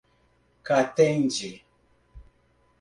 Catende